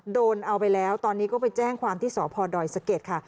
โดนเอาไปแล้วตอนนี้ก็ไปแจ้งความที่สพดอยสะเก็ดค่ะ